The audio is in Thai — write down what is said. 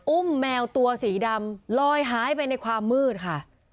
แมวตัวสีดำลอยหายไปในความมืดค่ะ